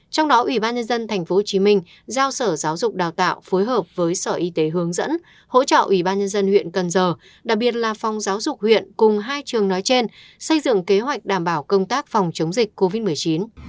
trong đó ubnd tp hcm giao sở giáo dục đào tạo phối hợp với sở y tế hướng dẫn hỗ trợ ubnd huyện cần giờ đặc biệt là phòng giáo dục huyện cùng hai trường nói trên xây dựng kế hoạch đảm bảo công tác phòng chống dịch covid một mươi chín